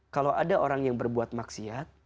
kalau ada orang yang berbuat maksiat